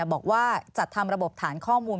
บอกว่าจัดทำระบบฐานข้อมูล